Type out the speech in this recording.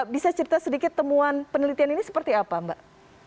bisa cerita sedikit temuan penelitian ini seperti apa mbak